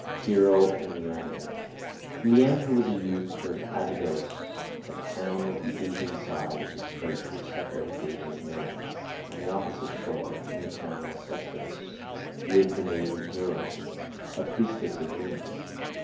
HERO AND LEANDER Leander was a youth of Abydos, a town of the Asian side of the strait which separates Asia and Europe. On the opposite shore, in the town of Sestos, lived the maiden Hero, a priestess of Venus.